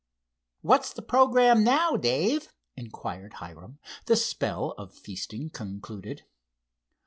"What's the programme now, Dave?" inquired Hiram, the spell of feasting concluded.